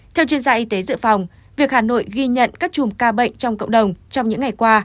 theo chuyên gia y tế dự phòng việc hà nội ghi nhận các chùm ca bệnh trong cộng đồng trong những ngày qua